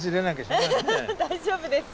大丈夫ですよ。